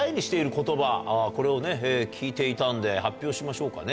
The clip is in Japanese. これをね聞いていたんで発表しましょうかね。